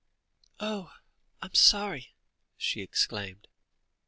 "Oh! I am sorry," she exclaimed.